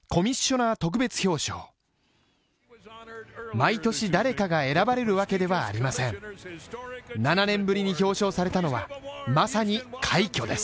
毎年誰かが選ばれるわけではありません７年ぶりに表彰されたのは、まさに快挙です